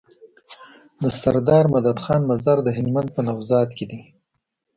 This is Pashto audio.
دسردار مدد خان مزار د هلمند په نوزاد کی دی